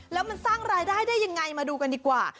แล้วมันสร้างรายได้ได้ยังไงมาดูกันดีกว่า